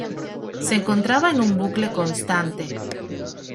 Se encontraba en un bucle constante.